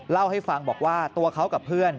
เล่าให้ฟังบอกว่าตัวเขากับเพื่อน